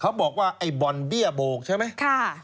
เขาบอกว่าไอ้บ่อนเบี้ยโบกใช่ไหม